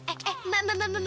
eh eh mbak mbak mbak